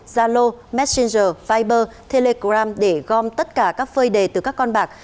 gia lô messenger viber telegram để gom tất cả các phơi đề từ các con bạc